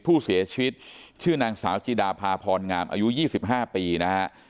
ผู้เสียชีวิตชื่อนางสาวจิดาภาพรงามอายุ๒๕ปีนะฮะ